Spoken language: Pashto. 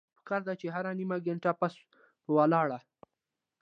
پکار ده چې هره نيمه ګنټه پس پۀ ولاړه